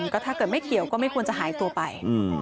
ก็ถ้าเกิดไม่เกี่ยวก็ไม่ควรจะหายตัวไป